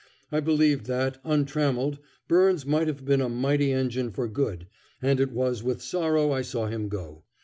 I believed that, untrammelled, Byrnes might have been a mighty engine for good, and it was with sorrow I saw him go.